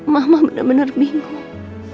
mama benar benar bingung